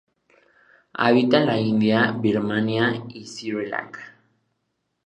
Habita en la India, Birmania y Sri Lanka.